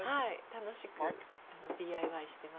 楽しくＤＩＹしてます。